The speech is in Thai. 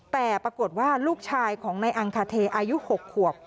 แต่ปรากฏว่าลูกชายของนายอังคาเทอายุ๖ขวบ